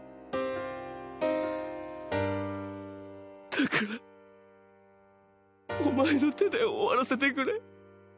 だからお前の手で終わらせてくれ。